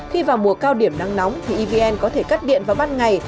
khi vào mùa cao điểm năng nóng thì evn có thể cắt điện và bắt ngày